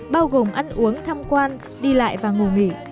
bao gồm ăn uống thăm quan đi lại và ngủ nghỉ